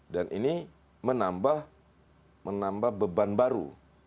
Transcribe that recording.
dan ini menambah menambah beban baru